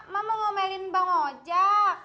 mak mau ngomelin bang ojak